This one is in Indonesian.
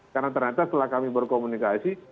karena ternyata setelah kami berkomunikasi